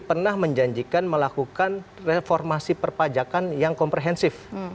pernah menjanjikan melakukan reformasi perpajakan yang komprehensif